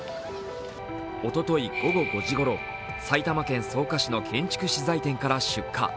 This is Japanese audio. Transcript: おととい午後５時ごろ埼玉県草加市の建築資材店から出火。